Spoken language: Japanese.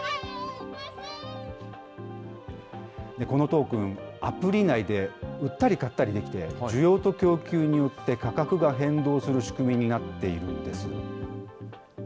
このトークン、アプリ内で売ったり買ったりできて、需要と供給によって価格が変動する仕組みになっているんです。